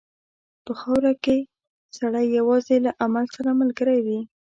په خاوره کې سړی یوازې له عمل سره ملګری وي.